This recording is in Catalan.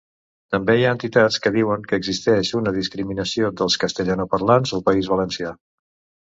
També hi ha entitats que diuen que existix una discriminació dels castellanoparlants al País Valencià.